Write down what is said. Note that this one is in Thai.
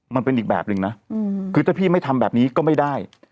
มันเป็นอีกแบบหนึ่งนะคือถ้าพี่ไม่ทำแบบนี้ก็ไม่ได้